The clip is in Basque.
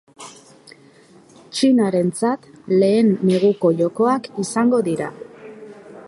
Txinarentzat lehen neguko jokoak izango dira.